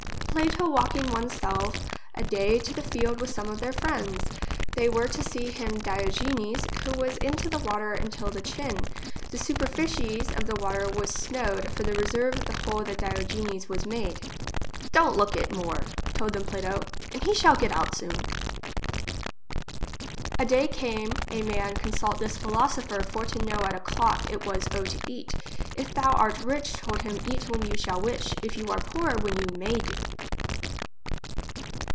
*' Plato walking one's self a day to the field with some of their friends. They were to see him Diogenes who was in to water untill the chin. The superficies of the water was snowed, for the reserve of the hole that Diogenes was English as she is spoke. 57 made. " Don't look it more told them Plato, and he shall get out soon." A day came a man consult this philosopher for to know at o'clock it was owe to eat. If thou art rich, told him eat when you shall wish ; if you are poor, when you may do.